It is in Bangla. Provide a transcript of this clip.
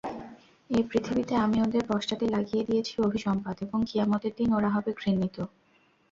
এ পৃথিবীতে আমি ওদের পশ্চাতে লাগিয়ে দিয়েছি অভিসম্পাত এবং কিয়ামতের দিন ওরা হবে ঘৃণিত।